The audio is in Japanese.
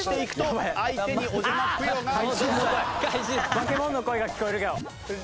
バケモンの声が聞こえるけど。